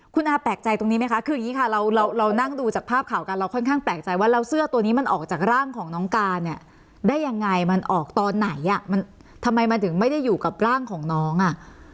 คุณอาแปลกใจตรงนี้ไหมคะคืออย่างนี้ค่ะเรานั่งดูจากภาพข่าวกันเราค่อนข้างแปลกใจว่าแล้วเสื้อตัวนี้มันออกจากร่างของน้องการเนี่ยได้ยังไงมันออกตอนไหนอ่ะมันทำไมมันถึงไม่ได้อยู่กับร่างของน้องอ่ะ